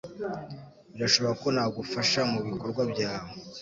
Birashoboka ko nagufasha mubikorwa byawe